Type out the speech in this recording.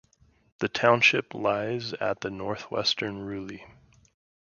The township lies at the northwestern Ruili.